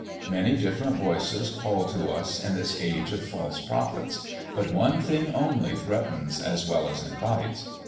Many different voices call to us in this age of false prophets, but one only threatens as well as invites.